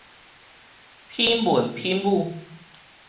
品文品武